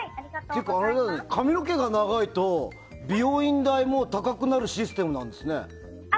髪の毛が長いと美容院代も高くなるシステムなんですね。